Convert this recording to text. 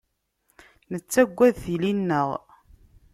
Nettaggad tili-nneɣ.